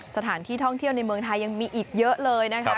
สถานที่ท่องเที่ยวในเมืองไทยยังมีอีกเยอะเลยนะคะ